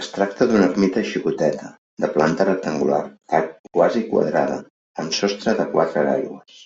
Es tracta d'una ermita xicoteta, de planta rectangular, quasi quadrada, amb sostre de quatre aigües.